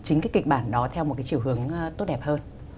chính cái kịch bản đó theo một cái chiều hướng tốt đẹp hơn